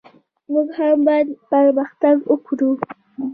موږ هم باید پرمختګ وکړو.